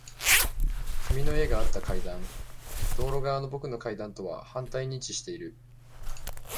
君の家があった階段。道路側の僕の階段とは反対に位置している。